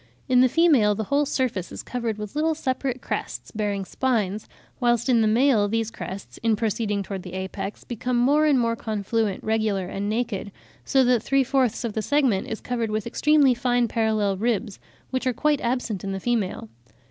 In the female the whole surface is covered with little separate crests, bearing spines; whilst in the male these crests in proceeding towards the apex, become more and more confluent, regular, and naked; so that three fourths of the segment is covered with extremely fine parallel ribs, which are quite absent in the female.